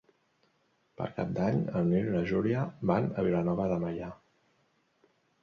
Per Cap d'Any en Nil i na Júlia van a Vilanova de Meià.